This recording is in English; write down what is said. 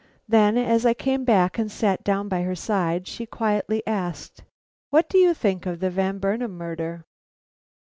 Then as I came back and sat down by her side, she quietly asked: "What do you think of the Van Burnam murder?"